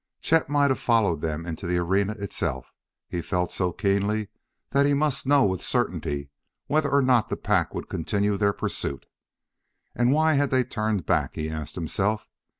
Chet might have followed them into the arena itself: he felt so keenly that he must know with certainty whether or not the pack would continue their pursuit. And why had they turned back? he asked himself.